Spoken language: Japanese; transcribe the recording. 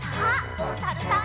おさるさん。